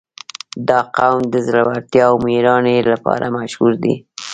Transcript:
• دا قوم د زړورتیا او مېړانې لپاره مشهور دی.